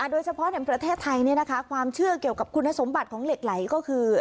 โดยเฉพาะในประเทศไทยความเชื่อเกี่ยวกับคุณสมบัติของเหล็กไหลก็คือ